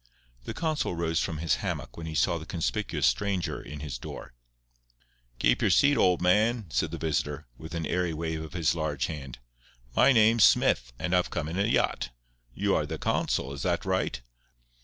The consul rose from his hammock when he saw the conspicuous stranger in his door. "Keep your seat, old man," said the visitor, with an airy wave of his large hand. "My name's Smith; and I've come in a yacht. You are the consul—is that right?